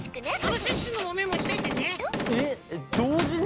シュッシュのもメモしといてね。